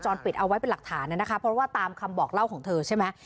ปิดเอาไว้เป็นหลักฐานนะคะเพราะว่าตามคำบอกเล่าของเธอใช่ไหม